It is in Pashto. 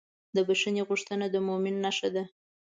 د بښنې غوښتنه د مؤمن نښه ده.